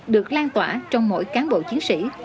được lan tỏa trong mỗi cán bộ chiến sĩ